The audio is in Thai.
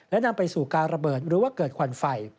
และนำไปสู่การระเบิดหรือว่าเกิดควันไฟ